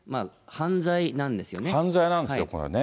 犯罪なんですよ、これね。